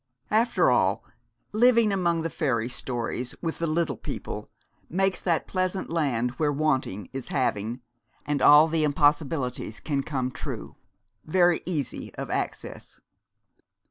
After all, living among the fairy stories with the Little People makes that pleasant land where wanting is having, and all the impossibilities can come true, very easy of access.